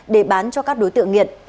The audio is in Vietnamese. để bán cho các đối tượng nghiện